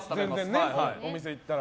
お店に行ったら。